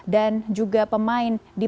dan juga pemain di